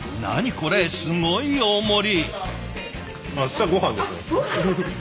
これすごい大盛り。